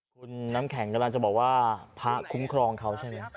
คุณน้ำแข็งกำลังจะบอกว่าพระคุ้มครองเขาใช่ไหม